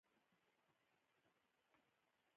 دلته باید پر سمبولیکو اعتراضونو باندې ډیر تمرکز وشي.